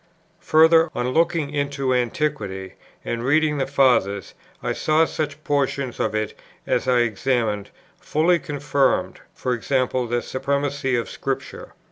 Further, on looking into Antiquity and reading the Fathers, I saw such portions of it as I examined, fully confirmed (e.g. the supremacy of Scripture).